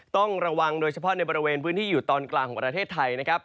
ต้องระวังโดยเฉพาะในบริเวณพื้นที่อยู่ตอนกลางของประเทศไทยนะครับ